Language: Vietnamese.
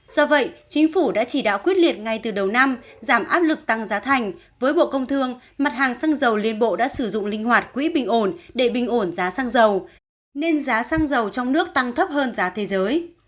do vậy chính phủ đã chỉ đạo quyết liệt ngay từ đầu năm giảm áp lực tăng giá thành với bộ công thương mặt hàng xăng dầu liên bộ đã sử dụng linh hoạt quỹ bình ổn để bình ổn giá xăng dầu nên giá xăng dầu trong nước tăng thấp hơn giá thế giới